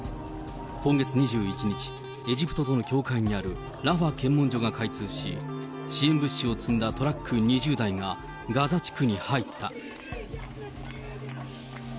今月２１日、エジプトとの境界にあるラファ検問所が開通し、支援物資を積んだトラック２０台がガザ地区に入った。